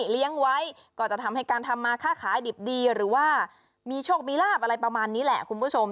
เลี้ยงไว้ก็จะทำให้การทำมาค่าขายดิบดีหรือว่ามีโชคมีลาบอะไรประมาณนี้แหละคุณผู้ชม